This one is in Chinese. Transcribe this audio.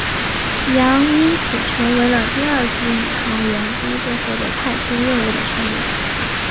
杨因此成为了第二组宇航员第一个获得太空任务的成员。